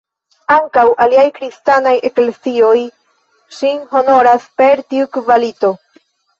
Ankaŭ aliaj kristanaj eklezioj ŝin honoras per tiu kvalito.